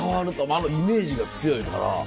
あのイメージが強いから。